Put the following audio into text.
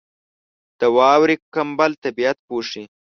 • د واورې کمبل طبیعت پوښي.